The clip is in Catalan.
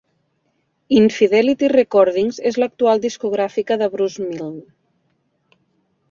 "In-Fidelity Recordings" és l'actual discogràfica de Bruce Milne.